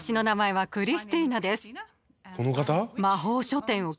この方？